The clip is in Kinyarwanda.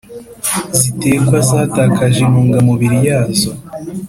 zitekwa zatakaje intungamubiri yazo.